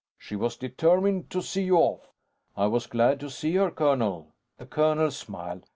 She was determined to see you off." "I was glad to see her, colonel." The colonel smiled.